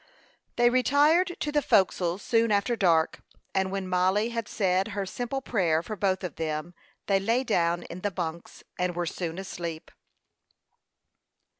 They retired to the forecastle soon after dark; and when Mollie had said her simple prayer for both of them, they lay down in the bunks, and were soon asleep.